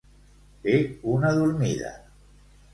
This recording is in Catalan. Fer una dormida.